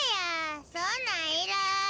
そんなんいらん。